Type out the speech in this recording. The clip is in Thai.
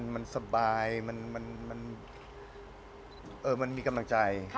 มันสบายมันมีกำลังใจ